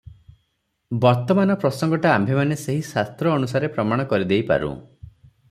ବର୍ତ୍ତମାନ ପ୍ରସଙ୍ଗଟା ଆମ୍ଭେମାନେ ସେହି ଶାସ୍ତ୍ର ଅନୁସାରେ ପ୍ରମାଣ କରିଦେଇପାରୁଁ ।